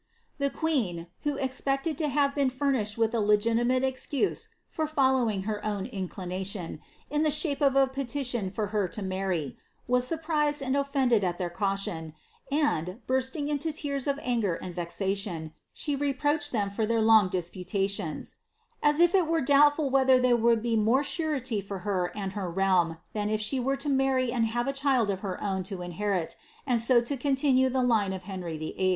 TJie queen, who expecte en famished with a legitimUt excuse for following her o« in the shape of a peiiijoa far i her to marry, was surprised ai their caution, and, bunting into tears of anger and vexation, sne reproached them for ihiir ]i>ns disputations, "a? if it were doubtful whether there would be more sureiv for her and her realm, than if she were to marry and have a child of het own to inherit, and so to continue the line of Henry VIII."'